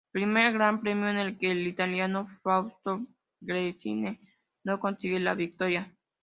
Primer Gran Premio en el que el italiano Fausto Gresini no consigue la victoria.